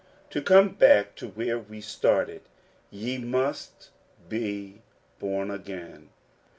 To come back to where we started :" Ye must be bom again.